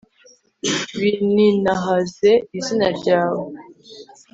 bininahaze izina ryawe